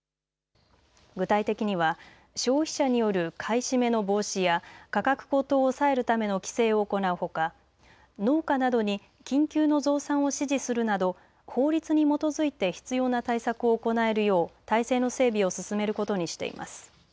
具体的には消費者による買い占めの防止や価格高騰を抑えるための規制を行うほか、農家などに緊急の増産を指示するなど法律に基づいて必要な対策を行えるよう体制の整備を進めることにしています。